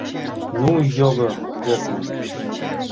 — Ну, його пӧкмӧ!